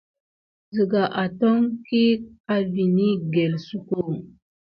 Ziga àton kik à vini gəlsoko.